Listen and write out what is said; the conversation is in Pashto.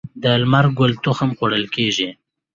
د لمر ګل تخم خوړل کیږي.